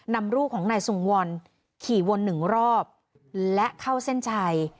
นำลูกของนายทรงวรขี่วนหนึ่งรอบและเข้าเส้นชัย